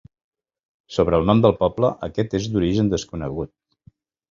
Sobre el nom del poble, aquest és d'origen desconegut.